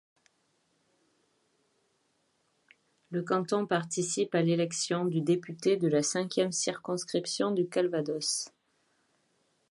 Le canton participe à l'élection du député de la cinquième circonscription du Calvados.